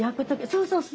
そうそうそう！